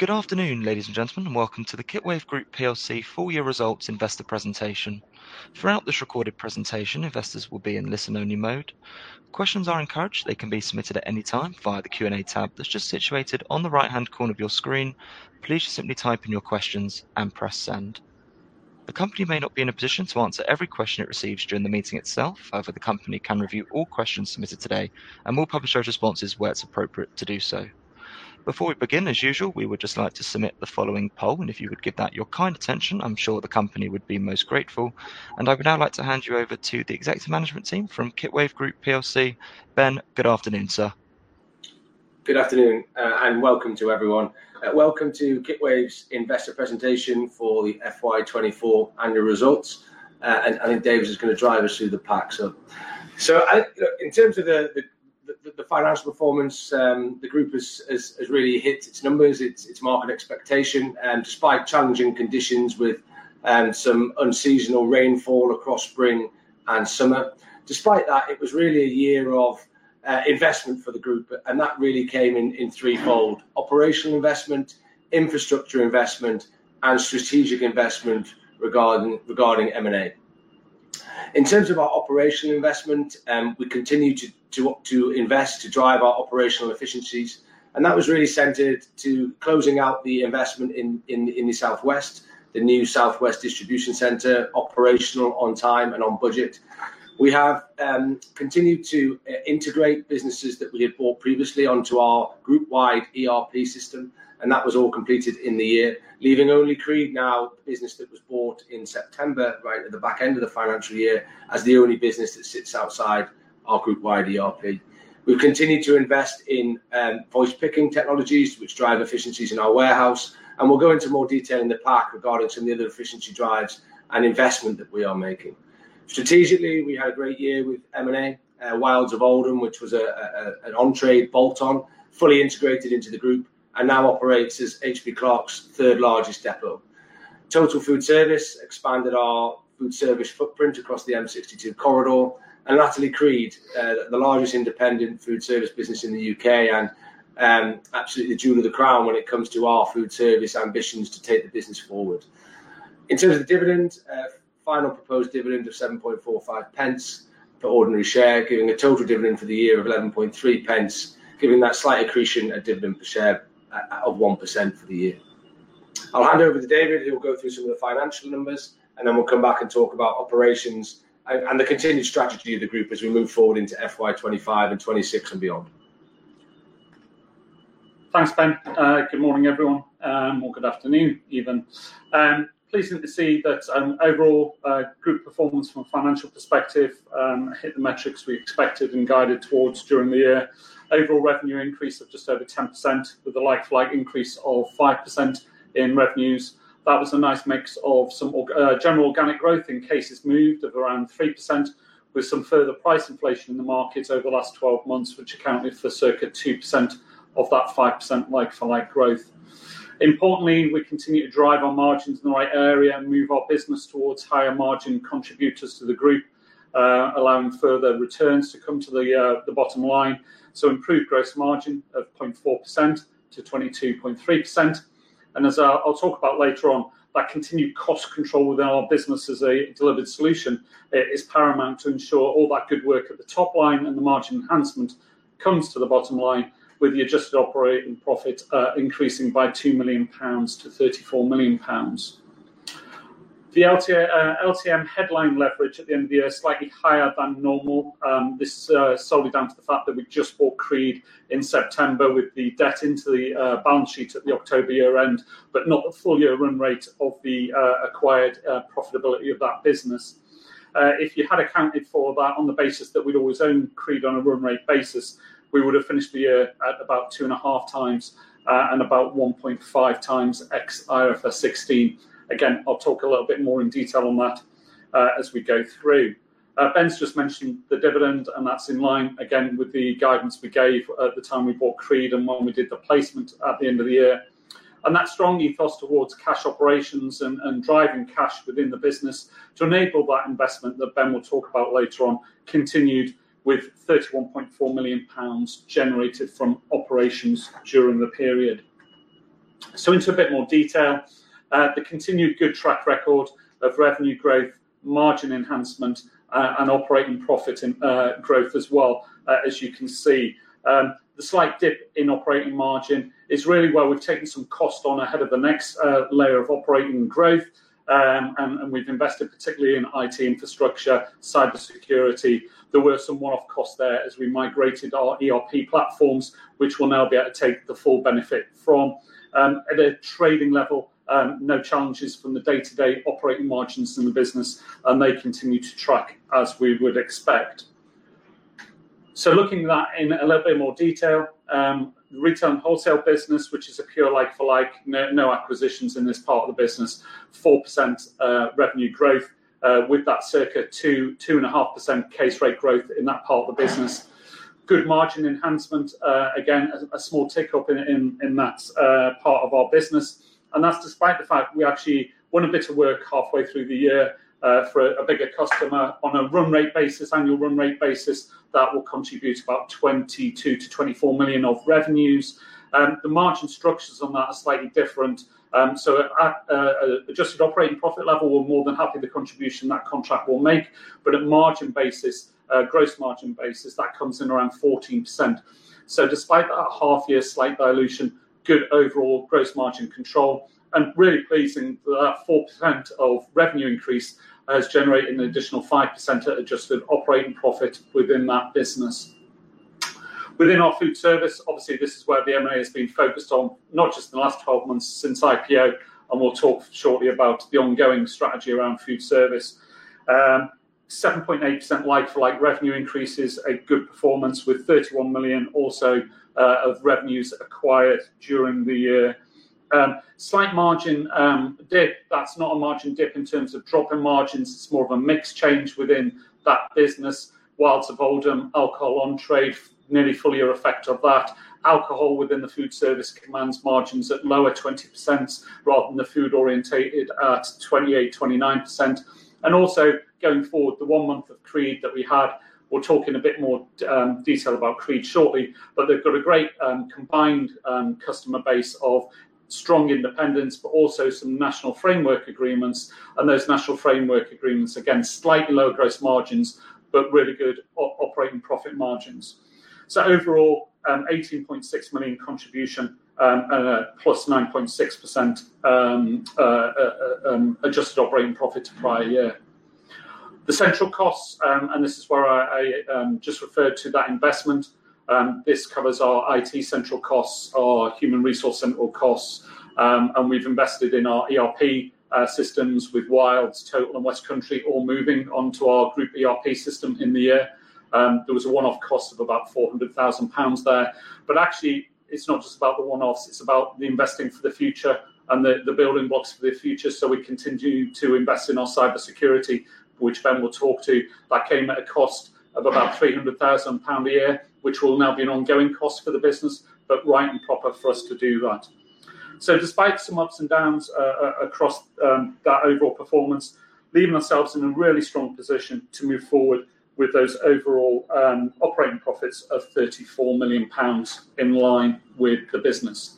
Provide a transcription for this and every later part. Good afternoon, ladies and gentlemen. Welcome to the Kitwave Group plc full-year results investor presentation. Throughout this recorded presentation, investors will be in listen-only mode. Questions are encouraged; they can be submitted at any time via the Q&A tab that's just situated on the right-hand corner of your screen. Please just simply type in your questions and press send. The company may not be in a position to answer every question it receives during the meeting itself. However, the company can review all questions submitted today and will publish those responses where it's appropriate to do so. Before we begin, as usual, we would just like to submit the following poll, and if you would give that your kind attention, I'm sure the company would be most grateful. I would now like to hand you over to the executive management team from Kitwave Group plc. Ben, good afternoon, sir. Good afternoon, and welcome to everyone. Welcome to Kitwave's investor presentation for the FY 2024 annual results. I think David's just going to drive us through the pack. In terms of the financial performance, the group has really hit its numbers, its market expectation, despite challenging conditions with some unseasonal rainfall across spring and summer. Despite that, it was really a year of investment for the group, and that really came in threefold: operational investment, infrastructure investment, and strategic investment regarding M&A. In terms of our operational investment, we continue to invest to drive our operational efficiencies, and that was really centered to closing out the investment in the South West, the new South West distribution centre, operational on time and on budget. We have continued to integrate businesses that we had bought previously onto our group-wide ERP system, and that was all completed in the year, leaving only Creed now a business that was bought in September, right at the back end of the financial year, as the only business that sits outside our group-wide ERP. We've continued to invest in voice-picking technologies, which drive efficiencies in our warehouse, and we'll go into more detail in the pack regarding some of the other efficiency drives and investment that we are making. Strategically, we had a great year with M&A Wilds of Oldham, which was an on-trade bolt-on, fully integrated into the group, and now operates as H.B. Clark's third-largest depot. Total Foodservice expanded our food service footprint across the M62 corridor, and latterly Creed, the largest independent food service business in the U.K., and absolutely the jewel of the crown when it comes to our food service ambitions to take the business forward. In terms of dividend, final proposed dividend of 0.0745 per ordinary share, giving a total dividend for the year of 0.113, giving that slight accretion of dividend per share of 1% for the year. I'll hand over to David, who will go through some of the financial numbers, and then we'll come back and talk about operations and the continued strategy of the group as we move forward into FY 2025 and 2026 and beyond. Thanks, Ben. Good morning, everyone, or good afternoon even. Pleasing to see that overall good performance from a financial perspective hit the metrics we expected and guided towards during the year. Overall revenue increased of just over 10%, with a like-for-like increase of 5% in revenues. That was a nice mix of some general organic growth in cases moved of around 3%, with some further price inflation in the markets over the last 12 months, which accounted for circa 2% of that 5% like-for-like growth. Importantly, we continue to drive our margins in the right area and move our business towards higher margin contributors to the group, allowing further returns to come to the bottom line. Improved gross margin of 0.4% to 22.3%. As I'll talk about later on, that continued cost control within our business as a delivered solution is paramount to ensure all that good work at the top line and the margin enhancement comes to the bottom line, with the adjusted operating profit increasing by 2 million pounds to 34 million pounds. The LTM headline leverage at the end of the year is slightly higher than normal. This is solely down to the fact that we just bought Creed in September, with the debt into the balance sheet at the October year-end, but not the full year run rate of the acquired profitability of that business. If you had accounted for that on the basis that we'd always owned Creed on a run rate basis, we would have finished the year at about 2.5x and about 1.5 times ex-IFRS 16. Again, I'll talk a little bit more in detail on that as we go through. Ben's just mentioned the dividend, and that's in line again with the guidance we gave at the time we bought Creed and when we did the placement at the end of the year. That strong ethos towards cash operations and driving cash within the business to enable that investment that Ben will talk about later on continued with 31.4 million pounds generated from operations during the period. Into a bit more detail, the continued good track record of revenue growth, margin enhancement, and operating profit growth as well, as you can see. The slight dip in operating margin is really where we've taken some cost on ahead of the next layer of operating growth, and we've invested particularly in IT infrastructure, cybersecurity. There were some one-off costs there as we migrated our ERP platforms, which we'll now be able to take the full benefit from. At a trading level, no challenges from the day-to-day operating margins in the business, and they continue to track as we would expect. Looking at that in a little bit more detail, the retail and wholesale business, which is a pure like-for-like, no acquisitions in this part of the business, 4% revenue growth with that circa 2.5% case rate growth in that part of the business. Good margin enhancement, again, a small tick up in that part of our business. That's despite the fact we actually won a bit of work halfway through the year for a bigger customer on a run-rate basis, annual run-rate basis, that will contribute about 22 million-24 million of revenues. The margin structures on that are slightly different. Adjusted operating profit level will more than help with the contribution that contract will make, but at margin basis, gross margin basis, that comes in around 14%. Despite that half-year slight dilution, good overall gross margin control, and really pleasing that 4% of revenue increase has generated an additional 5% adjusted operating profit within that business. Within our food service, obviously, this is where the M&A has been focused on, not just in the last 12 months since IPO, and we'll talk shortly about the ongoing strategy around food service. 7.8% like-for-like revenue increases, a good performance with 31 million also of revenues acquired during the year. Slight margin dip, that's not a margin dip in terms of drop in margins, it's more of a mixed change within that business. Wilds of Oldham, alcohol on trade, nearly full year effect of that. Alcohol within the food service commands margins at lower 20% rather than the food orientated at 28%-29%. Also, going forward, the one month of Creed that we had, we'll talk in a bit more detail about Creed shortly, but they've got a great combined customer base of strong independents, but also some national framework agreements, and those national framework agreements again, slightly lower gross margins, but really good operating profit margins. Overall, 18.6 million contribution plus 9.6% adjusted operating profit to prior year. The central costs, and this is where I just referred to that investment, this covers our IT central costs, our human resource central costs, and we've invested in our ERP systems with Wilds, Total, and WestCountry all moving onto our group ERP system in the year. There was a one-off cost of about 400,000 pounds there, but actually, it's not just about the one-offs, it's about the investing for the future and the building blocks for the future. We continue to invest in our cybersecurity, which Ben will talk to, that came at a cost of about 300,000 pound a year, which will now be an ongoing cost for the business, but right and proper for us to do that. Despite some ups and downs across that overall performance, leaving ourselves in a really strong position to move forward with those overall operating profits of 34 million pounds in line with the business.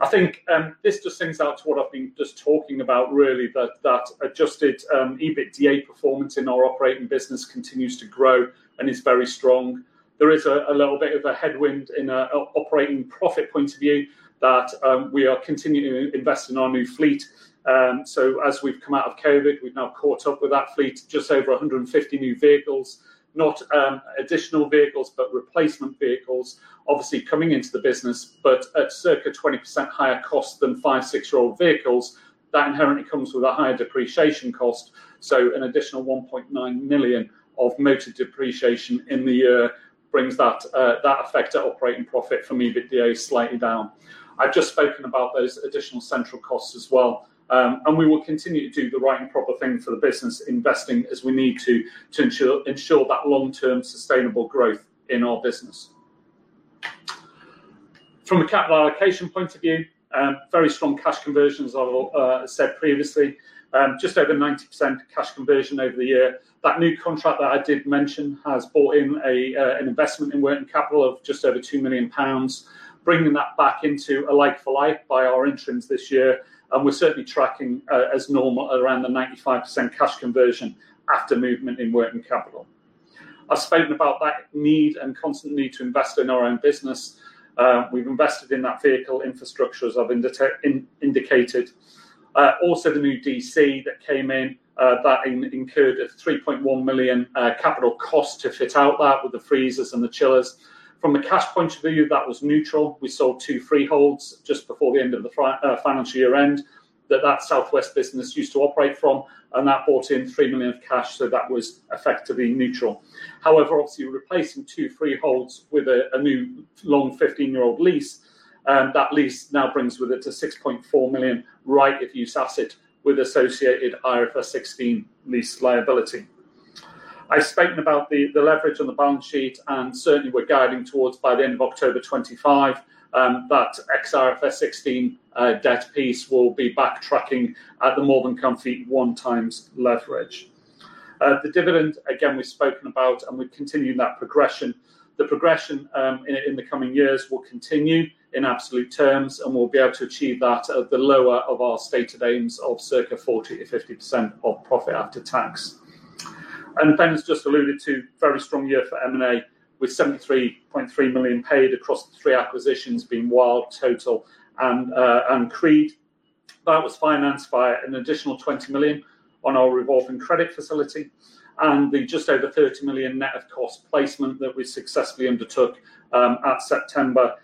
I think this just sings out to what I've been just talking about, really, that adjusted EBITDA performance in our operating business continues to grow and is very strong. There is a little bit of a headwind in an operating profit point of view that we are continuing to invest in our new fleet. As we have come out of COVID, we have now caught up with that fleet, just over 150 new vehicles, not additional vehicles, but replacement vehicles, obviously coming into the business, but at circa 20% higher cost than five, six-year-old vehicles. That inherently comes with a higher depreciation cost. An additional 1.9 million of motor depreciation in the year brings that effect of operating profit from EBITDA slightly down. I have just spoken about those additional central costs as well, and we will continue to do the right and proper thing for the business, investing as we need to, to ensure that long-term sustainable growth in our business. From a capital allocation point of view, very strong cash conversions, as I said previously, just over 90% cash conversion over the year. That new contract that I did mention has brought in an investment in working capital of just over 2 million pounds, bringing that back into a like-for-like by our entrants this year. We're certainly tracking as normal around the 95% cash conversion after movement in working capital. I've spoken about that need and constant need to invest in our own business. We've invested in that vehicle infrastructure, as I've indicated. Also, the new DC that came in, that incurred a 3.1 million capital cost to fit out that with the freezers and the chillers. From a cash point of view, that was neutral. We sold two freeholds just before the end of the financial year end that South West business used to operate from, and that brought in 3 million of cash, so that was effectively neutral. However, obviously, replacing two freeholds with a new long 15-year lease, that lease now brings with it a 6.4 million right-of-use asset with associated IFRS 16 lease liability. I've spoken about the leverage on the balance sheet, and certainly, we're guiding towards by the end of October 2025, that ex-IFRS 16 debt piece will be backtracking at the more than comfy one times leverage. The dividend, again, we've spoken about, and we're continuing that progression. The progression in the coming years will continue in absolute terms, and we'll be able to achieve that at the lower of our stated aims of circa 40%-50% of profit after tax. Ben has just alluded to a very strong year for M&A with 73.3 million paid across the three acquisitions being Wilds, Total, and Creed. That was financed by an additional 20 million on our revolving credit facility and the just over 30 million net of cost placement that we successfully undertook at September,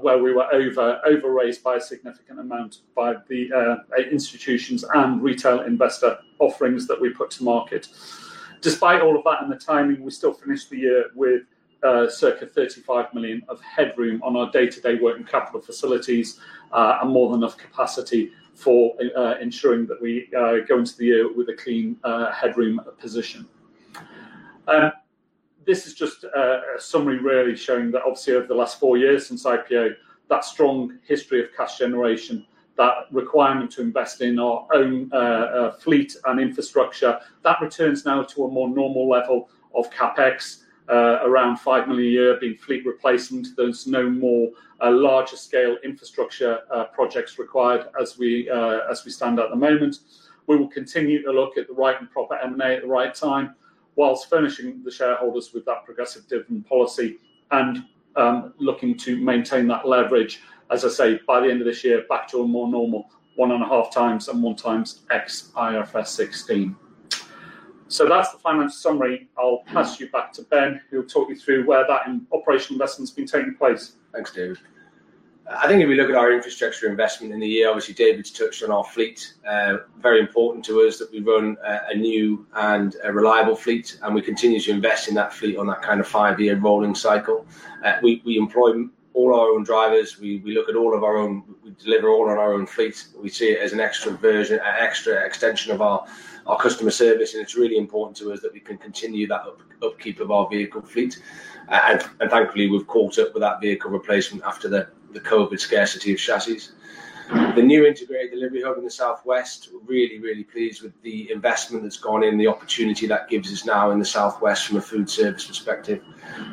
where we were overraised by a significant amount by the institutions and retail investor offerings that we put to market. Despite all of that and the timing, we still finished the year with circa 35 million of headroom on our day-to-day working capital facilities and more than enough capacity for ensuring that we go into the year with a clean headroom position. This is just a summary really showing that obviously over the last four years since IPO, that strong history of cash generation, that requirement to invest in our own fleet and infrastructure, that returns now to a more normal level of CapEx, around 5 million a year being fleet replacement. There is no more larger scale infrastructure projects required as we stand at the moment. We will continue to look at the right and proper M&A at the right time whilst furnishing the shareholders with that progressive dividend policy and looking to maintain that leverage, as I say, by the end of this year, back to a more normal 1.5x and 1x ex-IFRS 16. That is the financial summary. I will pass you back to Ben, who will talk you through where that operational investment has been taking place. Thanks, David. I think if we look at our infrastructure investment in the year, obviously, David's touched on our fleet. Very important to us that we run a new and reliable fleet, and we continue to invest in that fleet on that kind of five-year rolling cycle. We employ all our own drivers. We look at all of our own, we deliver all on our own fleets. We see it as an extra extension of our customer service, and it's really important to us that we can continue that upkeep of our vehicle fleet. Thankfully, we've caught up with that vehicle replacement after the COVID scarcity of chassis. The new integrated delivery hub in the South West, really, really pleased with the investment that's gone in, the opportunity that gives us now in the South West from a food service perspective.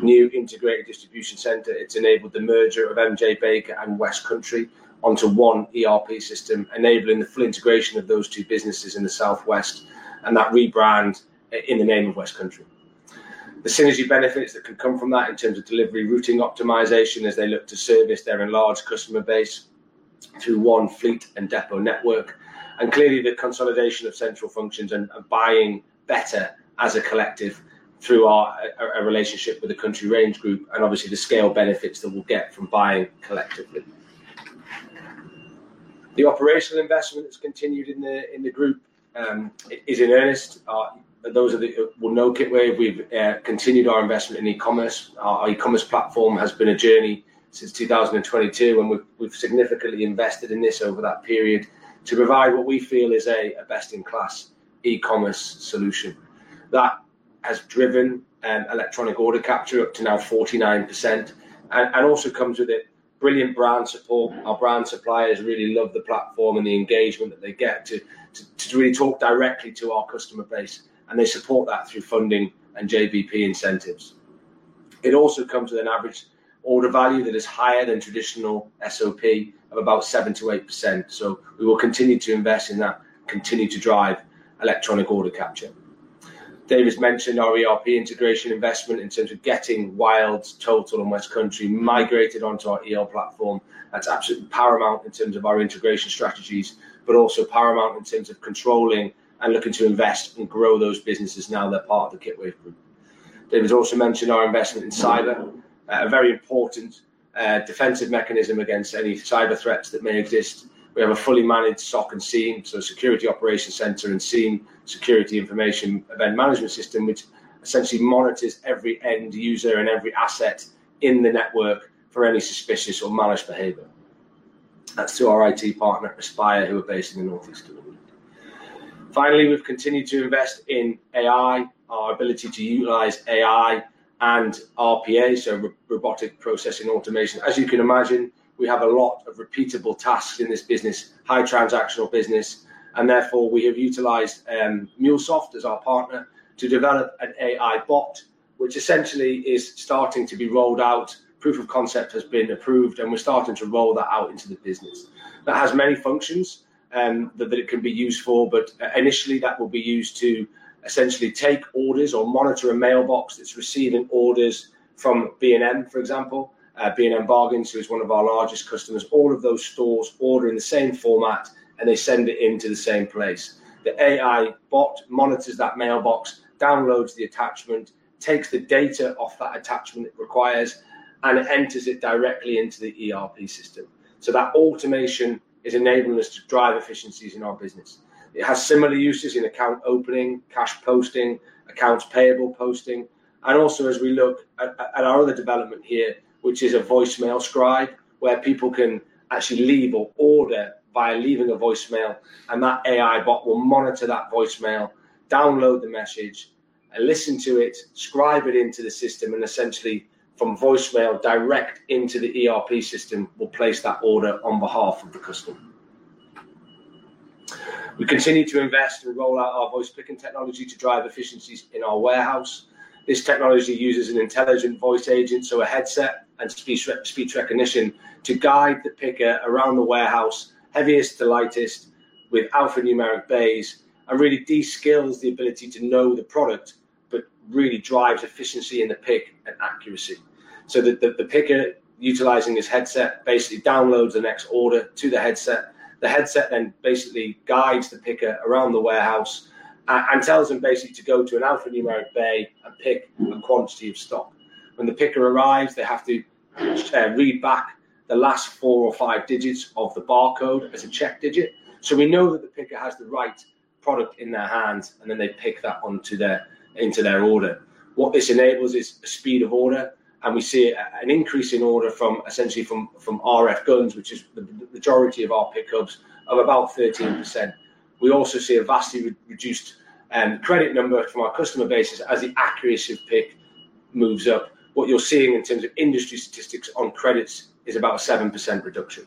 New integrated distribution centre. It's enabled the merger of M.J. Baker and WestCountry onto one ERP system, enabling the full integration of those two businesses in the Southwest and that rebrand in the name of WestCountry. The synergy benefits that can come from that in terms of delivery routing optimization as they look to service their enlarged customer base through one fleet and depot network. Clearly, the consolidation of central functions and buying better as a collective through our relationship with the Country Range Group and obviously the scale benefits that we'll get from buying collectively. The operational investment has continued in the group. It is in earnest. Those of you who will know Kitwave, we've continued our investment in e-commerce. Our e-commerce platform has been a journey since 2022, and we've significantly invested in this over that period to provide what we feel is a best-in-class e-commerce solution. That has driven electronic order capture up to now 49% and also comes with a brilliant brand support. Our brand suppliers really love the platform and the engagement that they get to really talk directly to our customer base, and they support that through funding and JBP incentives. It also comes with an average order value that is higher than traditional SOP of about 7-8%. We will continue to invest in that, continue to drive electronic order capture. David's mentioned our ERP integration investment in terms of getting Wilds, Total, and WestCountry migrated onto our platform. That's absolutely paramount in terms of our integration strategies, but also paramount in terms of controlling and looking to invest and grow those businesses now that are part of the Kitwave Group. David's also mentioned our investment in cyber, a very important defensive mechanism against any cyber threats that may exist. We have a fully managed SOC and SIEM, so Security Operations Centre and SIEM Security Information Event Management System, which essentially monitors every end user and every asset in the network for any suspicious or malice behaviour. That's through our IT partner, Aspire, who are based in the Northeast of the region. Finally, we've continued to invest in AI, our ability to utilise AI and RPA, so robotic processing automation. As you can imagine, we have a lot of repeatable tasks in this business, high transactional business, and therefore we have utilised MuleSoft as our partner to develop an AI bot, which essentially is starting to be rolled out. Proof of concept has been approved, and we're starting to roll that out into the business. That has many functions that it can be used for, but initially that will be used to essentially take orders or monitor a mailbox that's receiving orders from B&M, for example, B&M Bargains, who is one of our largest customers. All of those stores order in the same format, and they send it into the same place. The AI bot monitors that mailbox, downloads the attachment, takes the data off that attachment it requires, and it enters it directly into the ERP system. That automation is enabling us to drive efficiencies in our business. It has similar uses in account opening, cash posting, accounts payable posting, and also as we look at our other development here, which is a voicemail scribe where people can actually leave an order by leaving a voicemail, and that AI bot will monitor that voicemail, download the message, listen to it, scribe it into the system, and essentially from voicemail direct into the ERP system will place that order on behalf of the customer. We continue to invest and roll out our voice picking technology to drive efficiencies in our warehouse. This technology uses an intelligent voice agent, so a headset and speech recognition to guide the picker around the warehouse, heaviest to lightest with alphanumeric bays, and really de-skills the ability to know the product, but really drives efficiency in the pick and accuracy. The picker utilising this headset basically downloads the next order to the headset. The headset then basically guides the picker around the warehouse and tells them basically to go to an alphanumeric bay and pick a quantity of stock. When the picker arrives, they have to read back the last four or five digits of the barcode as a check digit. We know that the picker has the right product in their hands, and then they pick that into their order. What this enables is a speed of order, and we see an increase in order from essentially from RF guns, which is the majority of our pickups, of about 13%. We also see a vastly reduced credit number from our customer bases as the accuracy of pick moves up. What you're seeing in terms of industry statistics on credits is about a 7% reduction.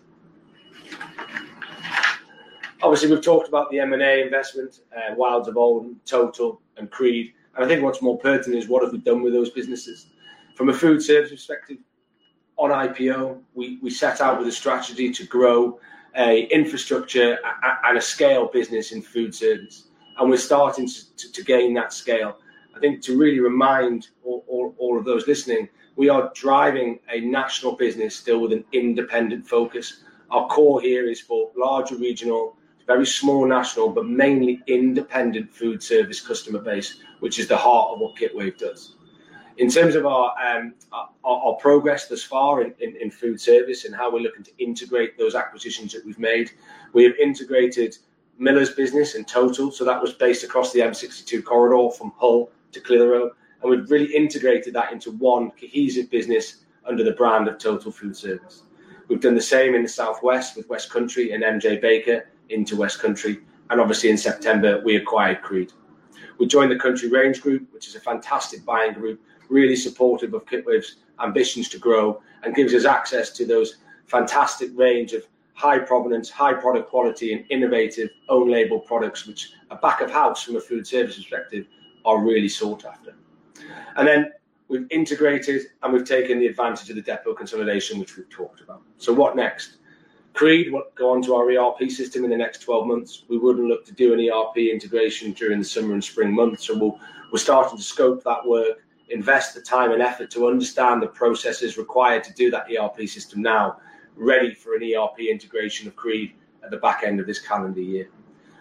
Obviously, we've talked about the M&A investment, Wilds of Oldham, Total, and Creed. I think what's more pertinent is what have we done with those businesses? From a food service perspective, on IPO, we set out with a strategy to grow an infrastructure and a scale business in food service, and we're starting to gain that scale. I think to really remind all of those listening, we are driving a national business still with an independent focus. Our core here is for larger regional, very small national, but mainly independent food service customer base, which is the heart of what Kitwave does. In terms of our progress thus far in food service and how we're looking to integrate those acquisitions that we've made, we have integrated Miller's business and Total, so that was based across the M62 corridor from Hull to Clitheroe, and we've really integrated that into one cohesive business under the brand of Total Foodservice. We've done the same in the South West with WestCountry and M.J. Baker into WestCountry, and obviously in September, we acquired Creed. We joined the Country Range Group, which is a fantastic buying group, really supportive of Kitwave's ambitions to grow and gives us access to those fantastic range of high provenance, high product quality, and innovative own-label products, which are back of house from a food service perspective, are really sought after. We have integrated and we've taken the advantage of the depot consolidation, which we've talked about. What next? Creed will go on to our ERP system in the next 12 months. We wouldn't look to do an ERP integration during the summer and spring months, so we're starting to scope that work, invest the time and effort to understand the processes required to do that ERP system now, ready for an ERP integration of Creed at the back end of this calendar year.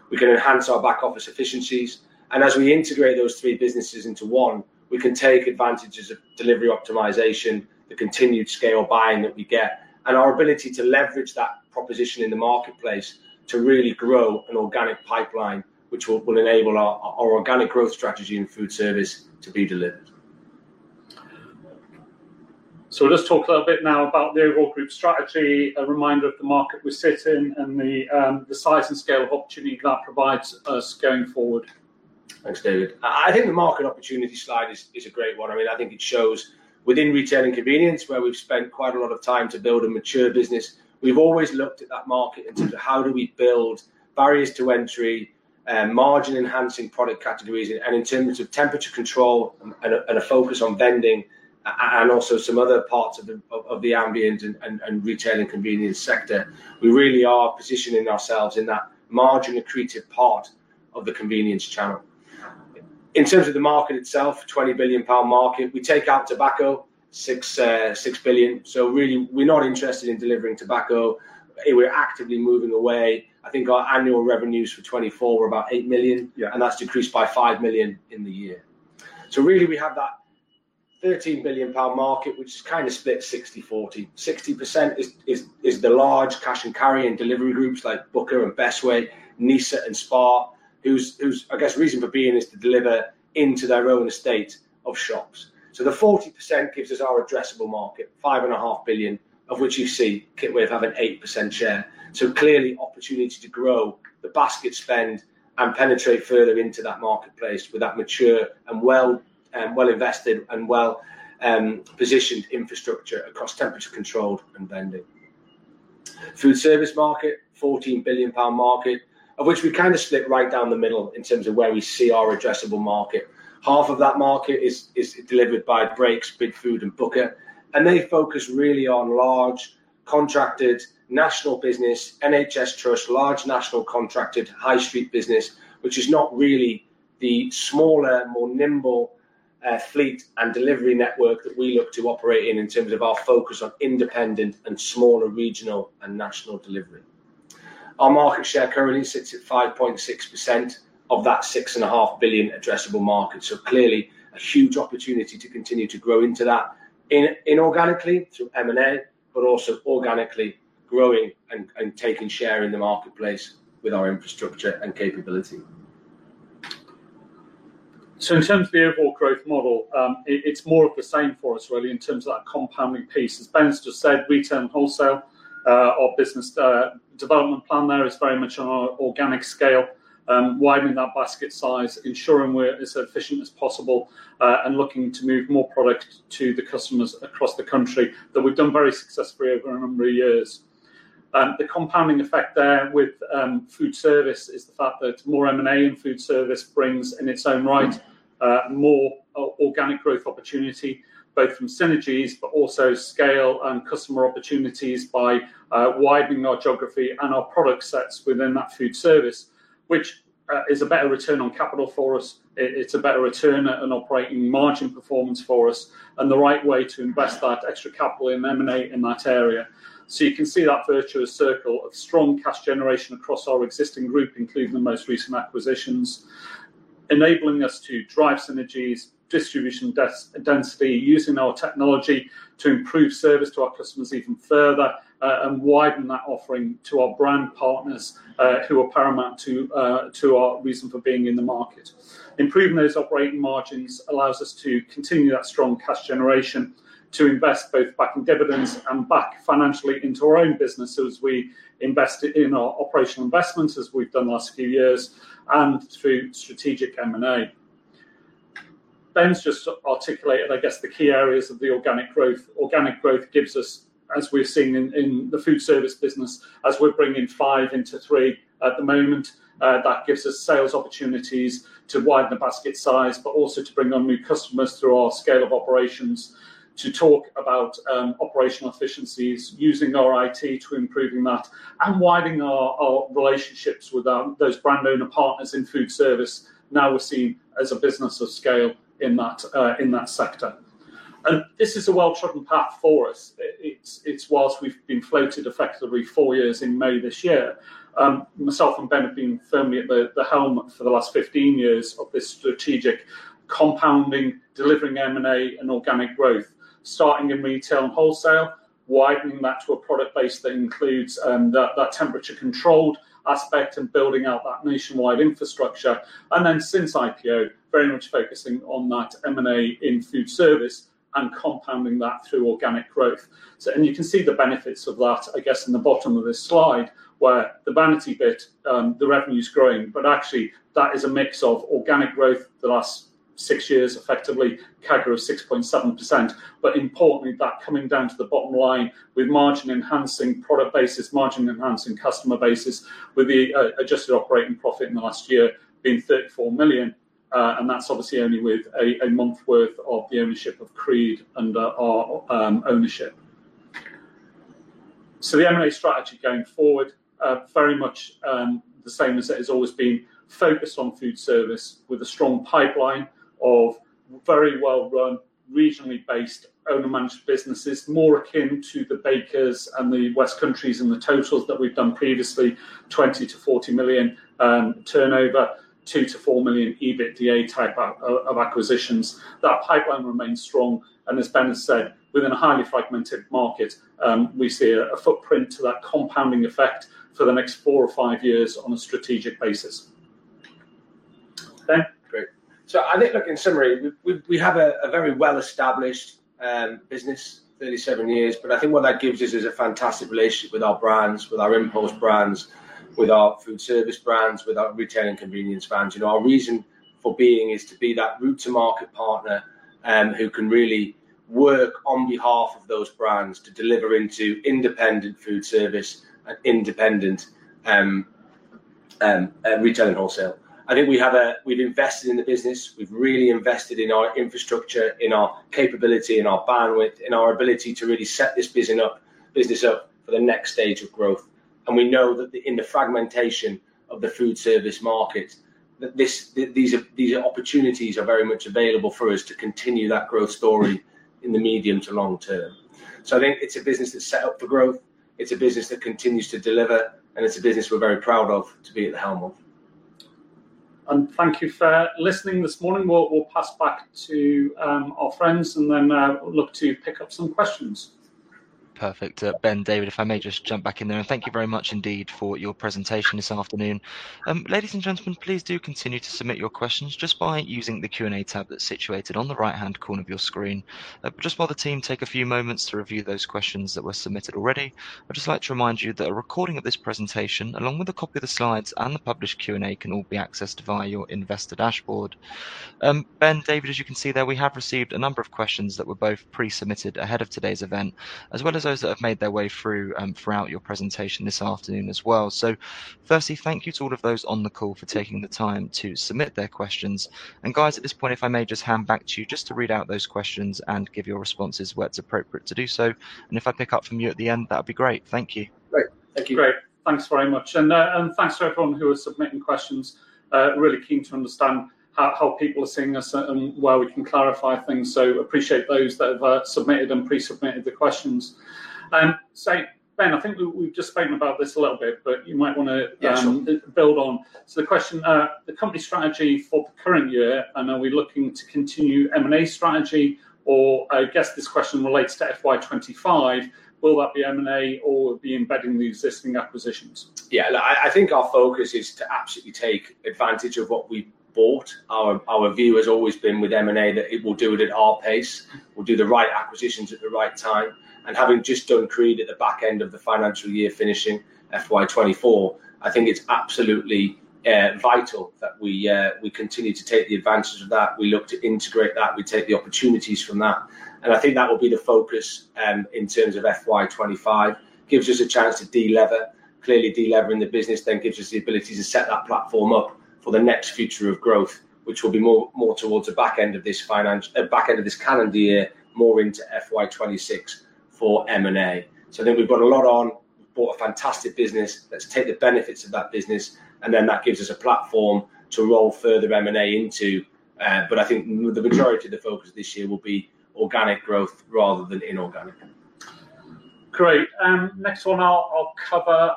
We can enhance our back office efficiencies, and as we integrate those three businesses into one, we can take advantages of delivery optimisation, the continued scale buying that we get, and our ability to leverage that proposition in the marketplace to really grow an organic pipeline, which will enable our organic growth strategy in food service to be delivered. Let's talk a little bit now about the overall group strategy, a reminder of the market we're sitting in and the size and scale of opportunity that provides us going forward. Thanks, David. I think the market opportunity slide is a great one. I mean, I think it shows within retail and convenience, where we've spent quite a lot of time to build a mature business, we've always looked at that market in terms of how do we build barriers to entry, margin-enhancing product categories, and in terms of temperature control and a focus on vending and also some other parts of the ambient and retail and convenience sector, we really are positioning ourselves in that margin accretive part of the convenience channel. In terms of the market itself, a 20 billion pound market, we take out tobacco, 6 billion. Really, we're not interested in delivering tobacco. We're actively moving away. I think our annual revenues for 2024 were about 8 million, and that's decreased by 5 million in the year. Really, we have that 13 billion pound market, which is kind of split 60/40. 60% is the large cash and carry and delivery groups like Booker and Bestway, Nisa and Spar, whose, I guess, reason for being is to deliver into their own estate of shops. The 40% gives us our addressable market, 5.5 billion, of which you see Kitwave have an 8% share. Clearly, opportunity to grow the basket spend and penetrate further into that marketplace with that mature and well-invested and well-positioned infrastructure across temperature controlled and vending. Food service market, 14 billion pound market, of which we kind of split right down the middle in terms of where we see our addressable market. Half of that market is delivered by Brakes, Bidfood, and Booker, and they focus really on large contracted, national business, NHS trust, large national contracted, high street business, which is not really the smaller, more nimble fleet and delivery network that we look to operate in in terms of our focus on independent and smaller regional and national delivery. Our market share currently sits at 5.6% of that 6.5 billion addressable market. Clearly, a huge opportunity to continue to grow into that inorganically through M&A, but also organically growing and taking share in the marketplace with our infrastructure and capability. In terms of the overall growth model, it's more of the same for us, really, in terms of that compounding piece. As Ben's just said, retail and wholesale, our business development plan there is very much on an organic scale, widening that basket size, ensuring we're as efficient as possible and looking to move more product to the customers across the country that we've done very successfully over a number of years. The compounding effect there with food service is the fact that more M&A in food service brings in its own right more organic growth opportunity, both from synergies, but also scale and customer opportunities by widening our geography and our product sets within that food service, which is a better return on capital for us. It's a better return and operating margin performance for us and the right way to invest that extra capital in M&A in that area. You can see that virtuous circle of strong cash generation across our existing group, including the most recent acquisitions, enabling us to drive synergies, distribution density, using our technology to improve service to our customers even further and widen that offering to our brand partners who are paramount to our reason for being in the market. Improving those operating margins allows us to continue that strong cash generation to invest both back in dividends and back financially into our own business as we invest in our operational investments as we've done the last few years and through strategic M&A. Ben's just articulated, I guess, the key areas of the organic growth. Organic growth gives us, as we've seen in the food service business, as we're bringing five into three at the moment, that gives us sales opportunities to widen the basket size, but also to bring on new customers through our scale of operations, to talk about operational efficiencies, using our IT to improve that and widening our relationships with those brand owner partners in food service. Now we're seen as a business of scale in that sector. This is a well-trodden path for us. It's whilst we've been floated effectively four years in May this year. Myself and Ben have been firmly at the helm for the last 15 years of this strategic compounding, delivering M&A and organic growth, starting in retail and wholesale, widening that to a product base that includes that temperature controlled aspect and building out that nationwide infrastructure. Since IPO, very much focusing on that M&A in food service and compounding that through organic growth. You can see the benefits of that, I guess, in the bottom of this slide where the vanity bit, the revenue is growing, but actually that is a mix of organic growth the last six years effectively, CAGR of 6.7%, but importantly, that coming down to the bottom line with margin enhancing product basis, margin enhancing customer basis with the adjusted operating profit in the last year being 34 million. That is obviously only with a month's worth of the ownership of Creed under our ownership. The M&A strategy going forward, very much the same as it has always been, focused on food service with a strong pipeline of very well-run, regionally based owner-managed businesses, more akin to the Bakers and the WestCountries and the Totals that we've done previously, 20 million-40 million turnover, 2 million-4 million EBITDA type of acquisitions. That pipeline remains strong, and as Ben has said, within a highly fragmented market, we see a footprint to that compounding effect for the next four or five years on a strategic basis. Ben? Great. I think looking summary, we have a very well-established business, 37 years, but I think what that gives us is a fantastic relationship with our brands, with our impulse brands, with our food service brands, with our retail and convenience brands. Our reason for being is to be that route-to-market partner who can really work on behalf of those brands to deliver into independent food service and independent retail and wholesale. I think we've invested in the business. We've really invested in our infrastructure, in our capability, in our bandwidth, in our ability to really set this business up for the next stage of growth. We know that in the fragmentation of the food service market, these opportunities are very much available for us to continue that growth story in the medium to long term. I think it's a business that's set up for growth. It's a business that continues to deliver, and it's a business we're very proud of to be at the helm of. Thank you for listening this morning. We'll pass back to our friends and then look to pick up some questions. Perfect. Ben, David, if I may just jump back in there, and thank you very much indeed for your presentation this afternoon. Ladies and gentlemen, please do continue to submit your questions just by using the Q&A tab that's situated on the right-hand corner of your screen. Just while the team take a few moments to review those questions that were submitted already, I'd just like to remind you that a recording of this presentation, along with a copy of the slides and the published Q&A, can all be accessed via your investor dashboard. Ben, David, as you can see there, we have received a number of questions that were both pre-submitted ahead of today's event, as well as those that have made their way through throughout your presentation this afternoon as well. Firstly, thank you to all of those on the call for taking the time to submit their questions. Guys, at this point, if I may just hand back to you to read out those questions and give your responses where it is appropriate to do so. If I pick up from you at the end, that would be great. Thank you. Great. Thank you. Great. Thanks very much. Thanks to everyone who was submitting questions. Really keen to understand how people are seeing us and where we can clarify things. Appreciate those that have submitted and pre-submitted the questions. Ben, I think we've just spoken about this a little bit, but you might want to build on. The question, the company strategy for the current year, and are we looking to continue M&A strategy or I guess this question relates to FY 2025, will that be M&A or be embedding the existing acquisitions? Yeah, I think our focus is to absolutely take advantage of what we bought. Our view has always been with M&A that we will do it at our pace. We'll do the right acquisitions at the right time. Having just done Creed at the back end of the financial year finishing FY 2024, I think it's absolutely vital that we continue to take the advantage of that. We look to integrate that. We take the opportunities from that. I think that will be the focus in terms of FY 2025. It gives us a chance to delever. Clearly, delevering the business then gives us the ability to set that platform up for the next future of growth, which will be more towards the back end of this calendar year, more into FY 2026 for M&A. I think we've got a lot on. We've bought a fantastic business. Let's take the benefits of that business, and then that gives us a platform to roll further M&A into. I think the majority of the focus this year will be organic growth rather than inorganic. Great. Next one, I'll cover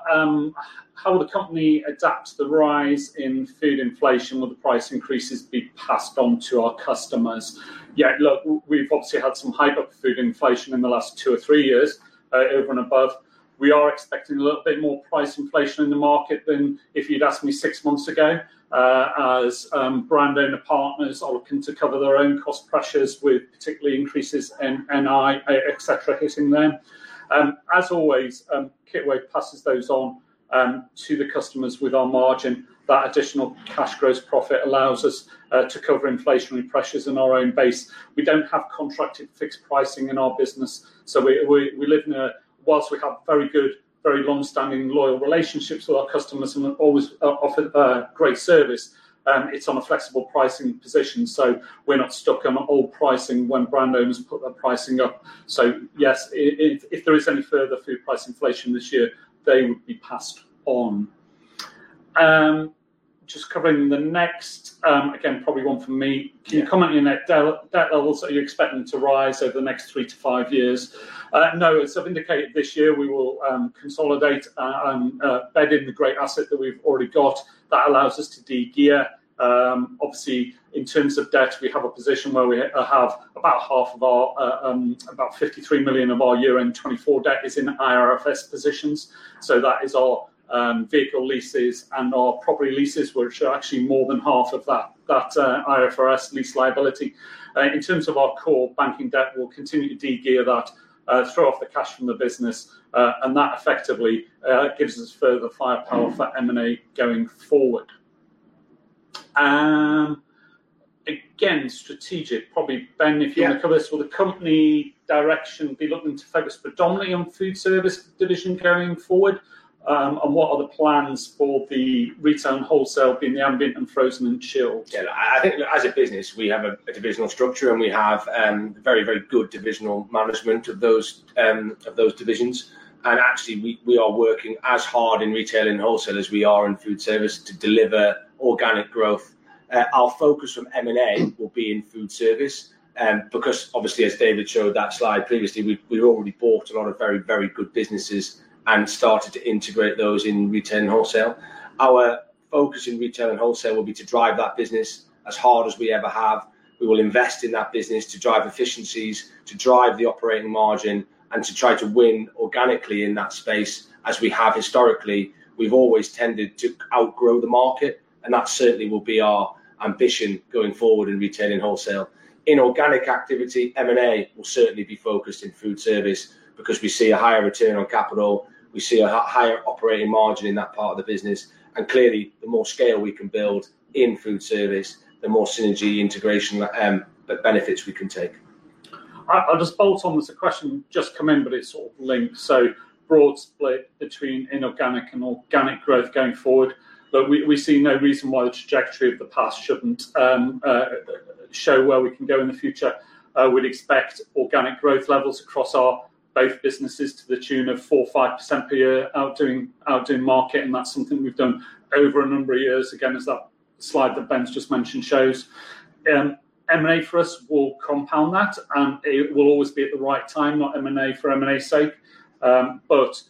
how will the company adapt to the rise in food inflation with the price increases be passed on to our customers? Yeah, look, we've obviously had some high food inflation in the last two or three years over and above. We are expecting a little bit more price inflation in the market than if you'd asked me six months ago as brands and the partners are looking to cover their own cost pressures with particularly increases in NI, etc., hitting them. As always, Kitwave passes those on to the customers with our margin. That additional cash growth profit allows us to cover inflationary pressures in our own base. We don't have contracted fixed pricing in our business. We live in a, whilst we have very good, very long-standing loyal relationships with our customers and always offer great service, it's on a flexible pricing position. We're not stuck on old pricing when brand owners put their pricing up. Yes, if there is any further food price inflation this year, they would be passed on. Just covering the next, again, probably one for me. Can you comment on that debt levels that you're expecting to rise over the next three to five years? No, as I've indicated this year, we will consolidate, bed in the great asset that we've already got. That allows us to de-gear. Obviously, in terms of debt, we have a position where we have about half of our, about 53 million of our year-end 2024 debt is in IFRS positions. That is our vehicle leases and our property leases, which are actually more than half of that IFRS lease liability. In terms of our core banking debt, we'll continue to de-gear that, throw off the cash from the business, and that effectively gives us further firepower for M&A going forward. Again, strategic, probably, Ben, if you want to cover this with the company direction, be looking to focus predominantly on food service division going forward. What are the plans for the retail and wholesale being the ambient and frozen and chilled? Yeah, I think as a business, we have a divisional structure and we have very, very good divisional management of those divisions. Actually, we are working as hard in retail and wholesale as we are in food service to deliver organic growth. Our focus from M&A will be in food service because obviously, as David showed that slide previously, we have already bought a lot of very, very good businesses and started to integrate those in retail and wholesale. Our focus in retail and wholesale will be to drive that business as hard as we ever have. We will invest in that business to drive efficiencies, to drive the operating margin, and to try to win organically in that space as we have historically. We have always tended to outgrow the market, and that certainly will be our ambition going forward in retail and wholesale. In organic activity, M&A will certainly be focused in food service because we see a higher return on capital. We see a higher operating margin in that part of the business. Clearly, the more scale we can build in food service, the more synergy integration benefits we can take. I'll just bolt on. There's a question just come in, but it's sort of linked. Broad split between inorganic and organic growth going forward. We see no reason why the trajectory of the past shouldn't show where we can go in the future. We'd expect organic growth levels across our both businesses to the tune of 4%-5% per year outdoing market, and that's something we've done over a number of years. Again, as that slide that Ben's just mentioned shows, M&A for us will compound that, and it will always be at the right time, not M&A for M&A's sake, but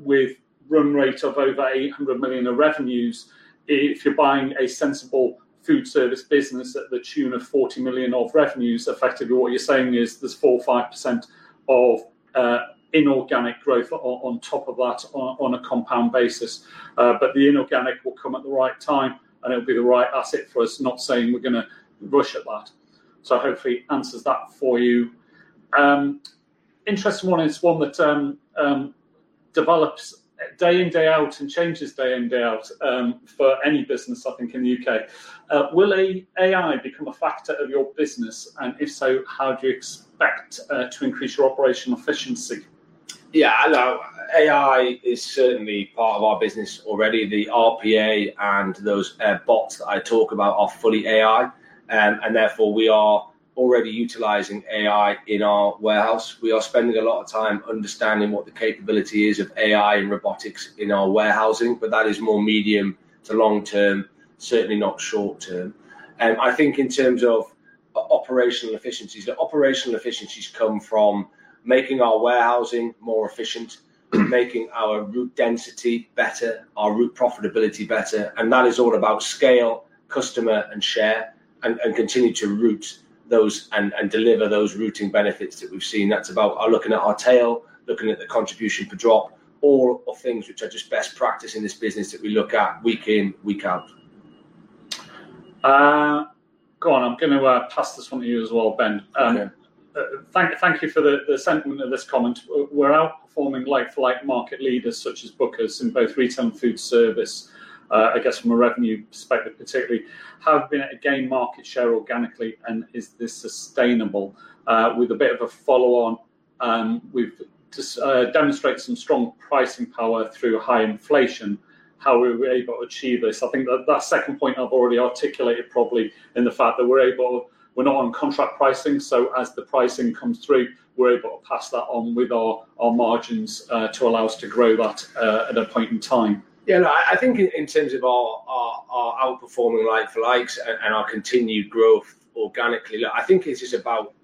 with run rate of over 800 million of revenues, if you're buying a sensible food service business at the tune of 40 million of revenues, effectively what you're saying is there's 4%-5% of inorganic growth on top of that on a compound basis. The inorganic will come at the right time, and it'll be the right asset for us, not saying we're going to rush at that. Hopefully, answers that for you. Interesting one. It's one that develops day in, day out and changes day in, day out for any business, I think, in the U.K. Will AI become a factor of your business? And if so, how do you expect to increase your operational efficiency? Yeah, AI is certainly part of our business already. The RPA and those bots that I talk about are fully AI, and therefore we are already utilizing AI in our warehouse. We are spending a lot of time understanding what the capability is of AI and robotics in our warehousing, but that is more medium to long term, certainly not short term. I think in terms of operational efficiencies, the operational efficiencies come from making our warehousing more efficient, making our route density better, our route profitability better, and that is all about scale, customer, and share, and continue to route those and deliver those routing benefits that we've seen. That's about looking at our tail, looking at the contribution per drop, all of things which are just best practice in this business that we look at week in, week out. Go on. I'm going to pass this one to you as well, Ben. Thank you for the sentiment of this comment. We're outperforming like-for-like market leaders such as Booker in both retail and food service, I guess from a revenue perspective particularly, have been able to gain market share organically, and is this sustainable? With a bit of a follow-on, we've demonstrated some strong pricing power through high inflation. How are we able to achieve this? I think that second point I've already articulated probably in the fact that we're able to, we're not on contract pricing, so as the pricing comes through, we're able to pass that on with our margins to allow us to grow that at a point in time. Yeah, I think in terms of our outperforming like-for-likes and our continued growth organically, I think it's just about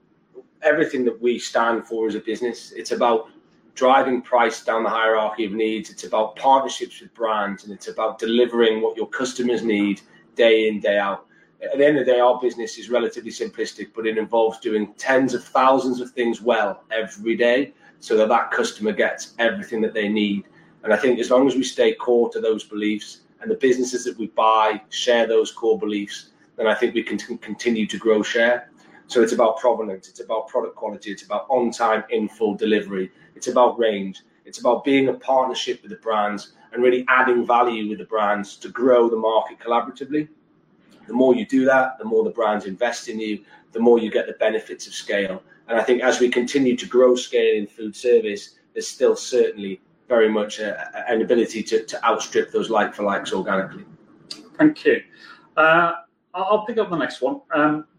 everything that we stand for as a business. It's about driving price down the hierarchy of needs. It's about partnerships with brands, and it's about delivering what your customers need day in, day out. At the end of the day, our business is relatively simplistic, but it involves doing tens of thousands of things well every day so that that customer gets everything that they need. I think as long as we stay core to those beliefs and the businesses that we buy share those core beliefs, then I think we can continue to grow share. It's about provenance. It's about product quality. It's about on-time, in-full delivery. It's about range. It's about being a partnership with the brands and really adding value with the brands to grow the market collaboratively. The more you do that, the more the brands invest in you, the more you get the benefits of scale. I think as we continue to grow scale in food service, there's still certainly very much an ability to outstrip those like-for-likes organically. Thank you. I'll pick up the next one.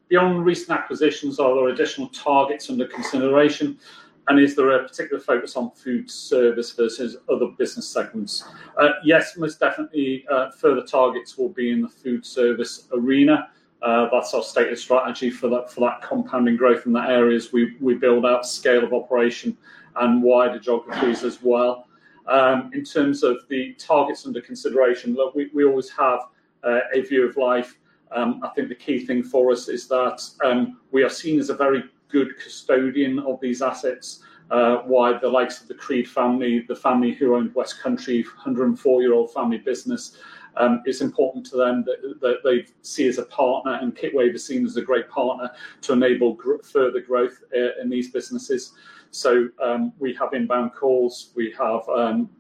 Beyond recent acquisitions, are there additional targets under consideration? Is there a particular focus on food service versus other business segments? Yes, most definitely, further targets will be in the food service arena. That's our stated strategy for that compounding growth in the areas we build out, scale of operation, and wider geographies as well. In terms of the targets under consideration, look, we always have a view of life. I think the key thing for us is that we are seen as a very good custodian of these assets. Why the likes of the Creed family, the family who owned WestCountry, 104-year-old family business, it's important to them that they see us as a partner, and Kitwave is seen as a great partner to enable further growth in these businesses. We have inbound calls. We have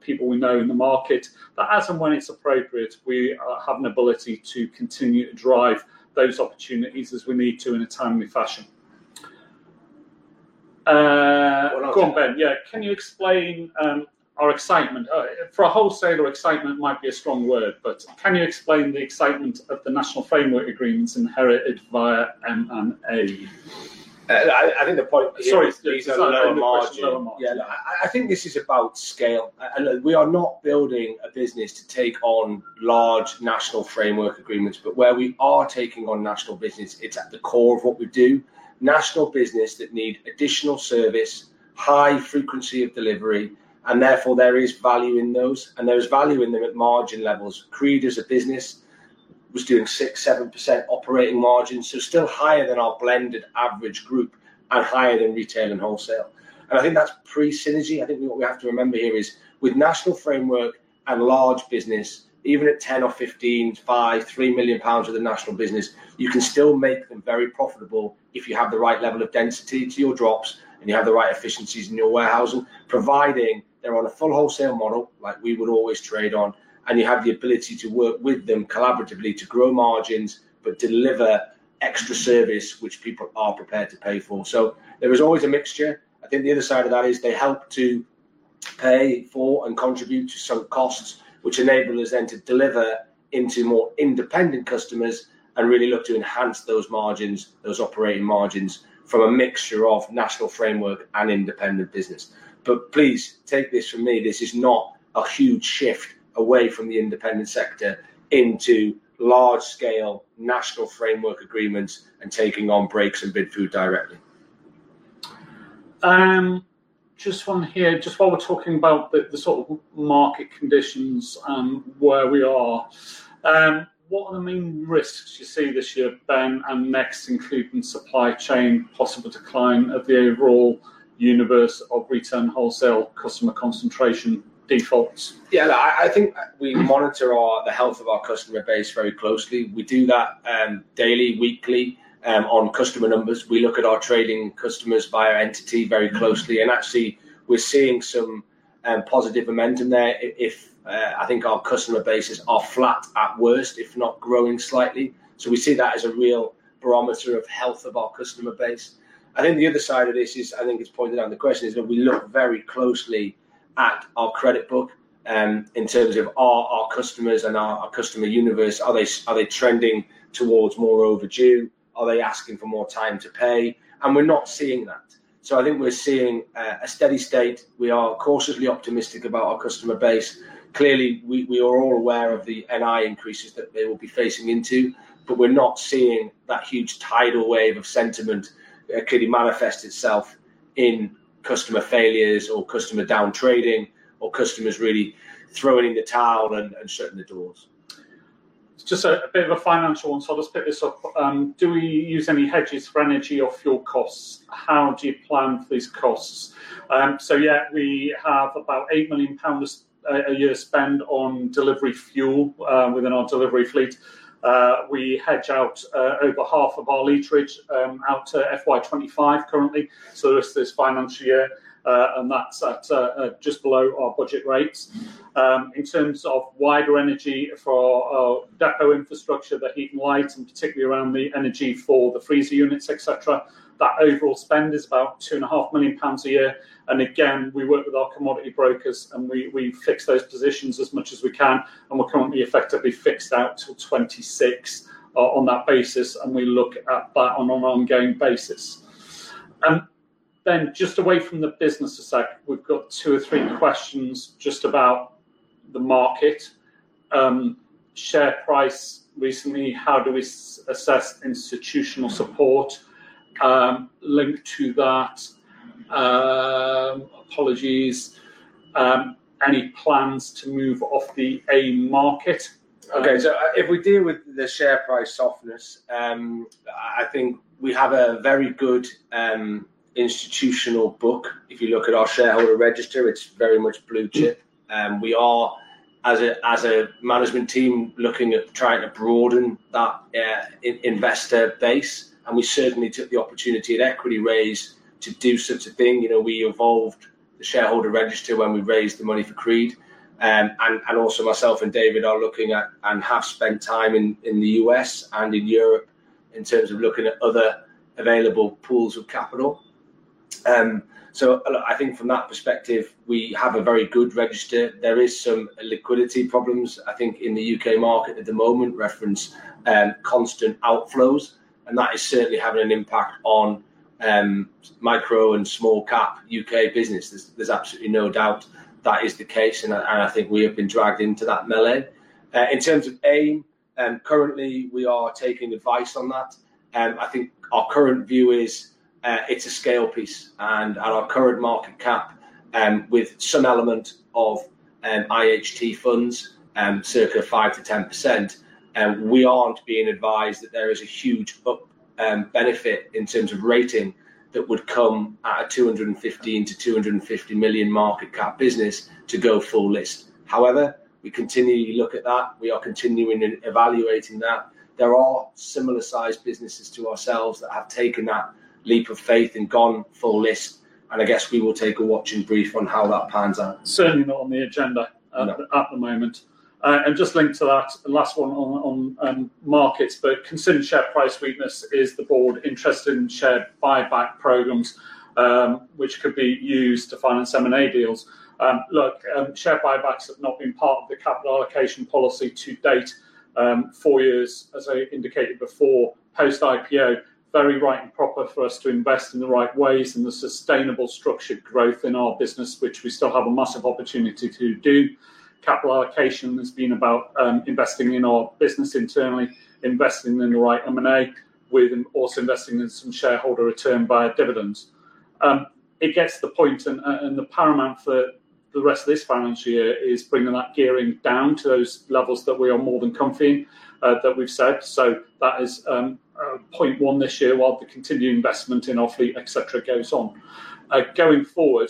people we know in the market. As and when it's appropriate, we have an ability to continue to drive those opportunities as we need to in a timely fashion. Go on, Ben. Yeah, can you explain our excitement? For a wholesaler, excitement might be a strong word, but can you explain the excitement of the national framework agreements inherited via M&A? I think the point. Sorry, no margin. Yeah, I think this is about scale. We are not building a business to take on large national framework agreements, but where we are taking on national business, it's at the core of what we do. National business that need additional service, high frequency of delivery, and therefore there is value in those, and there is value in them at margin levels. Creed as a business was doing 6%-7% operating margin, so still higher than our blended average group and higher than retail and wholesale. I think that's pre-synergy. I think what we have to remember here is with national framework and large business, even at 10 or 15, 5, 3 million pounds of the national business, you can still make them very profitable if you have the right level of density to your drops and you have the right efficiencies in your warehousin+g, providing they are on a full wholesale model like we would always trade on, and you have the ability to work with them collaboratively to grow margins but deliver extra service, which people are prepared to pay for. There is always a mixture. I think the other side of that is they help to pay for and contribute to some costs, which enable us then to deliver into more independent customers and really look to enhance those margins, those operating margins from a mixture of national framework and independent business. Please take this from me. This is not a huge shift away from the independent sector into large-scale national framework agreements and taking on Brakes and Bidfood directly. Just one here. Just while we're talking about the sort of market conditions and where we are, what are the main risks you see this year, Ben, and next including supply chain, possible decline of the overall universe of retail and wholesale customer concentration defaults? Yeah, I think we monitor the health of our customer base very closely. We do that daily, weekly on customer numbers. We look at our trading customers by our entity very closely, and actually we're seeing some positive momentum there. I think our customer bases are flat at worst, if not growing slightly. We see that as a real barometer of health of our customer base. I think the other side of this is, I think it's pointed out in the question, is that we look very closely at our credit book in terms of our customers and our customer universe. Are they trending towards more overdue? Are they asking for more time to pay? We're not seeing that. I think we're seeing a steady state. We are cautiously optimistic about our customer base. Clearly, we are all aware of the NI increases that they will be facing into, but we're not seeing that huge tidal wave of sentiment clearly manifest itself in customer failures or customer downtrading or customers really throwing in the towel and shutting the doors. Just a bit of a financial one. I'll just pick this up. Do we use any hedges for energy or fuel costs? How do you plan for these costs? Yeah, we have about 8 million pounds a year spend on delivery fuel within our delivery fleet. We hedge out over half of our litreage out to FY 2025 currently. The rest of this financial year, that's at just below our budget rates. In terms of wider energy for our depot infrastructure, the heat and lights, and particularly around the energy for the freezer units, etc., that overall spend is about 2.5 million pounds a year. Again, we work with our commodity brokers, and we fix those positions as much as we can, and we're currently effectively fixed out to 2026 on that basis, and we look at that on an ongoing basis. Ben, just away from the business a sec, we've got two or three questions just about the market. Share price recently, how do we assess institutional support linked to that? Apologies. Any plans to move off the A market? Okay, if we deal with the share price softness, I think we have a very good institutional book. If you look at our shareholder register, it is very much blue chip. We are, as a management team, looking at trying to broaden that investor base, and we certainly took the opportunity at equity raise to do such a thing. We evolved the shareholder register when we raised the money for Creed, and also myself and David are looking at and have spent time in the U.S. and in Europe in terms of looking at other available pools of capital. I think from that perspective, we have a very good register. There are some liquidity problems, I think, in the U.K. market at the moment, reference constant outflows, and that is certainly having an impact on micro and small cap U.K. business. There's absolutely no doubt that is the case, and I think we have been dragged into that melee. In terms of A, and currently we are taking advice on that. I think our current view is it's a scale piece, and at our current market cap with some element of IHT funds, circa 5%-10%, we aren't being advised that there is a huge benefit in terms of rating that would come at a 215 million-250 million market cap business to go full list. However, we continually look at that. We are continuing and evaluating that. There are similar-sized businesses to ourselves that have taken that leap of faith and gone full list, and I guess we will take a watching brief on how that pans out. Certainly not on the agenda at the moment. Just linked to that, last one on markets, but considering share price weakness, is the board interested in share buyback programs, which could be used to finance M&A deals? Look, share buybacks have not been part of the capital allocation policy to date, four years, as I indicated before, post-IPO. Very right and proper for us to invest in the right ways and the sustainable structured growth in our business, which we still have a massive opportunity to do. Capital allocation has been about investing in our business internally, investing in the right M&A, with also investing in some shareholder return via dividends. It gets the point, and the paramount for the rest of this financial year is bringing that gearing down to those levels that we are more than comfy in, that we've said. That is point one this year while the continued investment in our fleet, etc., goes on. Going forward,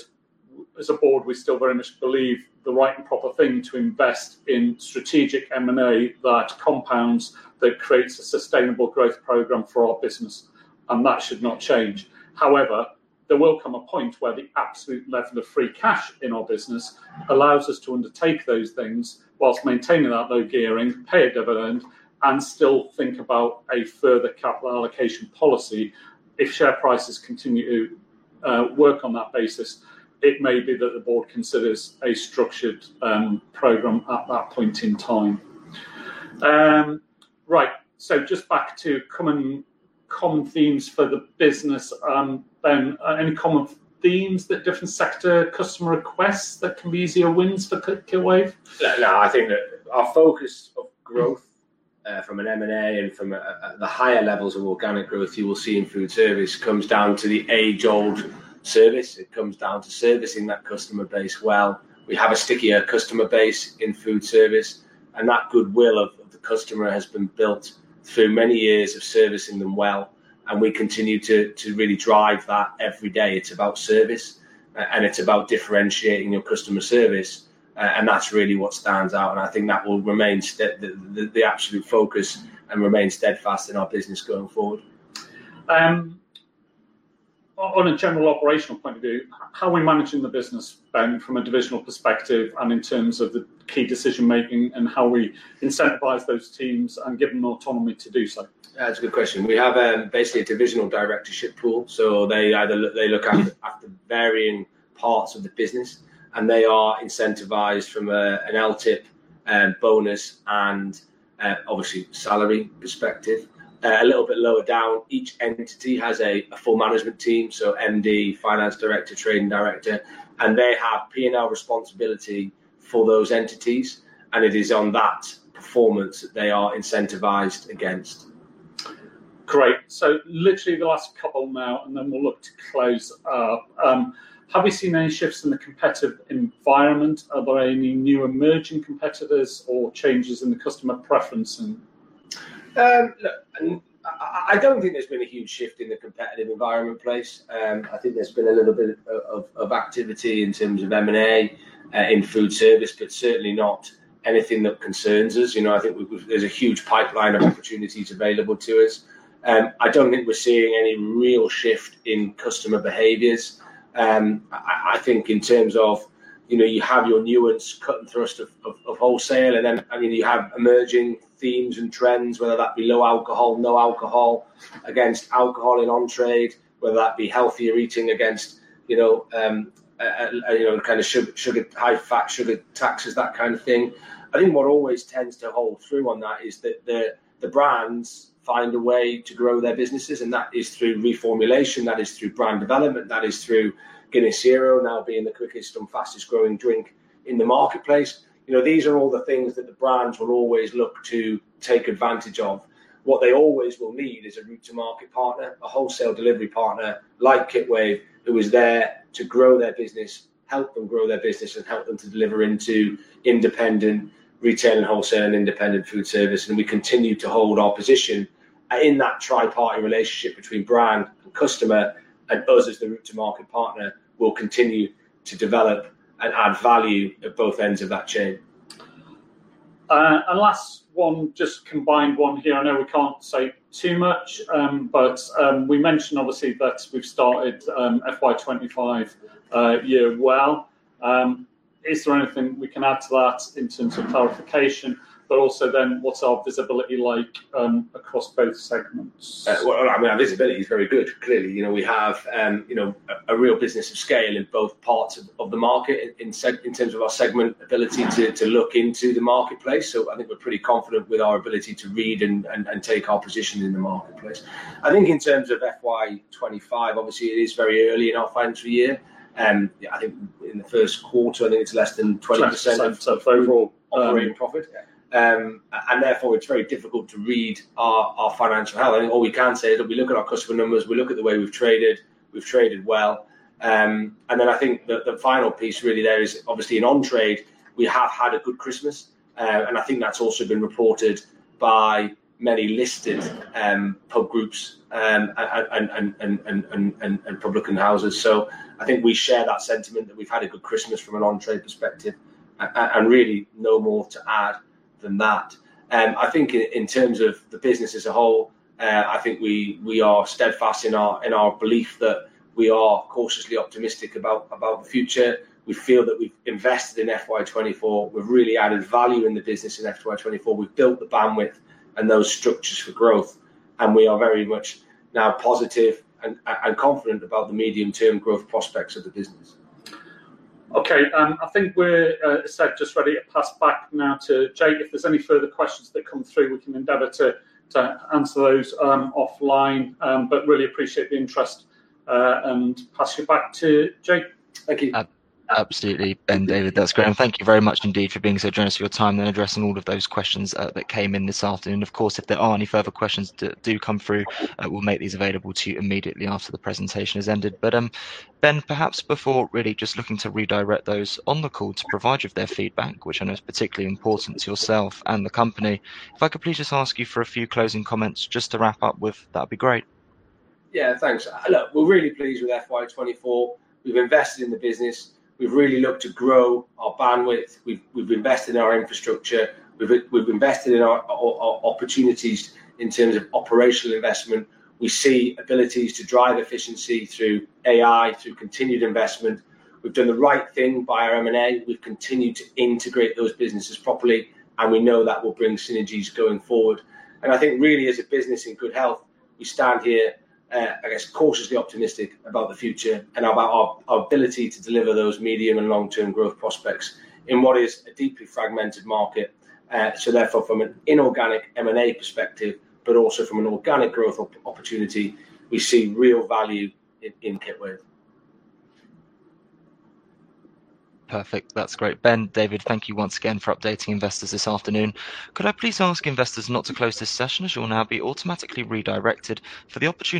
as a board, we still very much believe the right and proper thing to invest in strategic M&A that compounds, that creates a sustainable growth program for our business, and that should not change. However, there will come a point where the absolute level of free cash in our business allows us to undertake those things whilst maintaining that low gearing, pay a dividend, and still think about a further capital allocation policy. If share prices continue to work on that basis, it may be that the board considers a structured program at that point in time. Right, just back to common themes for the business, Ben, any common themes that different sector customer requests that can be easier wins for Kitwave? No, I think our focus of growth from an M&A and from the higher levels of organic growth you will see in food service comes down to the age-old service. It comes down to servicing that customer base well. We have a stickier customer base in food service, and that goodwill of the customer has been built through many years of servicing them well, and we continue to really drive that every day. It is about service, and it is about differentiating your customer service, and that is really what stands out, and I think that will remain the absolute focus and remain steadfast in our business going forward. On a general operational point of view, how are we managing the business, Ben, from a divisional perspective and in terms of the key decision-making and how we incentivize those teams and give them autonomy to do so? That's a good question. We have basically a divisional directorship pool, so they look after varying parts of the business, and they are incentivized from an LTIP bonus and obviously salary perspective. A little bit lower down, each entity has a full management team, so MD, finance director, training director, and they have P&L responsibility for those entities, and it is on that performance that they are incentivized against. Great. Literally the last couple now, and then we'll look to close up. Have we seen any shifts in the competitive environment? Are there any new emerging competitors or changes in the customer preferences? Look, I don't think there's been a huge shift in the competitive environment, place. I think there's been a little bit of activity in terms of M&A in food service, but certainly not anything that concerns us. I think there's a huge pipeline of opportunities available to us. I don't think we're seeing any real shift in customer behaviors. I think in terms of you have your nuanced cut and thrust of wholesale, and then you have emerging themes and trends, whether that be low alcohol, no alcohol, against alcohol in on-trade, whether that be healthier eating against kind of high-fat sugar taxes, that kind of thing. I think what always tends to hold through on that is that the brands find a way to grow their businesses, and that is through reformulation, that is through brand development, that is through Guinness 0.0, now being the quickest and fastest growing drink in the marketplace. These are all the things that the brands will always look to take advantage of. What they always will need is a route-to-market partner, a wholesale delivery partner like Kitwave, who is there to grow their business, help them grow their business, and help them to deliver into independent retail and wholesale and independent food service. We continue to hold our position in that triparty relationship between brand and customer, and us as the route-to-market partner will continue to develop and add value at both ends of that chain. Last one, just combined one here. I know we can't say too much, but we mentioned obviously that we've started FY 2025 year well. Is there anything we can add to that in terms of clarification, but also then what's our visibility like across both segments? I mean, our visibility is very good, clearly. We have a real business of scale in both parts of the market in terms of our segment ability to look into the marketplace. I think we're pretty confident with our ability to read and take our position in the marketplace. I think in terms of FY 2025, obviously it is very early in our financial year. I think in the first quarter, I think it's less than 20%. Overall operating profit. Therefore, it's very difficult to read our financial health. I think all we can say is we look at our customer numbers, we look at the way we've traded, we've traded well. I think the final piece really there is obviously in on-trade, we have had a good Christmas, and I think that's also been reported by many listed pub groups and public houses. I think we share that sentiment that we've had a good Christmas from an on-trade perspective, and really no more to add than that. I think in terms of the business as a whole, we are steadfast in our belief that we are cautiously optimistic about the future. We feel that we've invested in FY 2024, we've really added value in the business in FY24, we've built the bandwidth and those structures for growth, and we are very much now positive and confident about the medium-term growth prospects of the business. Okay, I think we're set just ready to pass back now to Jake. If there's any further questions that come through, we can endeavor to answer those offline, but really appreciate the interest and pass you back to Jake. Thank you. Absolutely, Ben, David, that's great. Thank you very much indeed for being so generous of your time and addressing all of those questions that came in this afternoon. Of course, if there are any further questions that do come through, we'll make these available to you immediately after the presentation has ended. Ben, perhaps before really just looking to redirect those on the call to provide you with their feedback, which I know is particularly important to yourself and the company, if I could please just ask you for a few closing comments just to wrap up with, that would be great. Yeah, thanks. Look, we're really pleased with FY 2024. We've invested in the business. We've really looked to grow our bandwidth. We've invested in our infrastructure. We've invested in our opportunities in terms of operational investment. We see abilities to drive efficiency through AI, through continued investment. We've done the right thing by our M&A. We've continued to integrate those businesses properly, and we know that will bring synergies going forward. I think really as a business in good health, we stand here, I guess, cautiously optimistic about the future and about our ability to deliver those medium and long-term growth prospects in what is a deeply fragmented market. Therefore, from an inorganic M&A perspective, but also from an organic growth opportunity, we see real value in Kitwave. Perfect. That's great. Ben, David, thank you once again for updating investors this afternoon. Could I please ask investors not to close this session as you'll now be automatically redirected for the opportunity.